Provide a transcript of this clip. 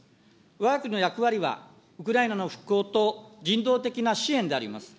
わが国の役割は、ウクライナの復興と人道的な支援であります。